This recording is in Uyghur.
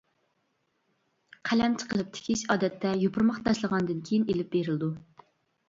قەلەمچە قىلىپ تىكىش ئادەتتە يوپۇرماق تاشلىغاندىن كېيىن ئېلىپ بېرىلىدۇ.